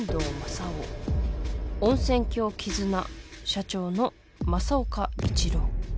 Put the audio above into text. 温泉郷絆社長の政岡一郎。